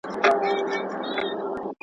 لاروي یې په علاج پوري حیران ول ,